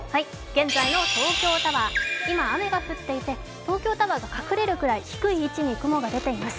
現在の東京タワー、今雨が降っていて東京タワーが隠れるくらい、低い位置に雲が出ています。